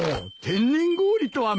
天然氷は。